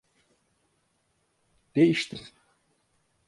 Değiştim.